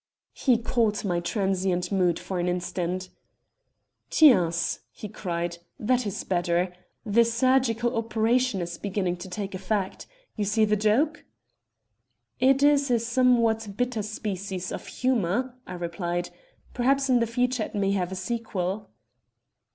He caught my transient mood for an instant. "'Tiens!!' he cried, 'that is better. The surgical operation is beginning to take effect. You see the joke?' "'It is a somewhat bitter species of humour,' I replied. 'Perhaps in the future it may have a sequel.'